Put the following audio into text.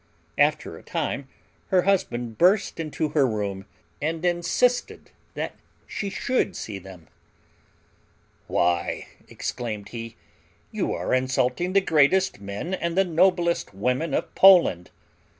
After a time her husband burst into her room, and insisted that she should see them. "Why," exclaimed he, "you are insulting the greatest men and the noblest women of Poland!